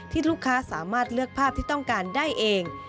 ลูกค้าสามารถเลือกภาพที่ต้องการได้เอง